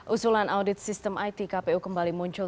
usulan audit sistem it kpu kembali muncul